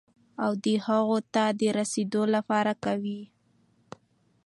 او د هغو ته د رسېدو لپاره قوي،